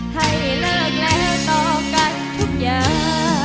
ให้เลิกลาต่อกันทุกอย่าง